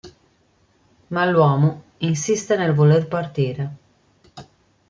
Ma l'uomo insiste nel voler partire.